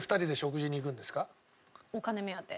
お金目当て。